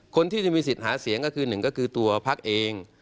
คนที่จะมีสิทธิ์หาเสียงก็คือหนึ่งก็คือตัวพักเอง